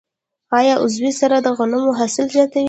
آیا عضوي سره د غنمو حاصل زیاتوي؟